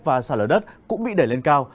và xả lở đất cũng bị đẩy lên cao